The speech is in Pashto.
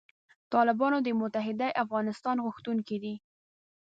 طالبان د یوې متحدې افغانستان غوښتونکي دي.